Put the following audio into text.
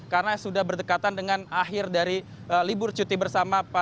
karena sudah berdekatan dengan akhir dari libur cuti bersama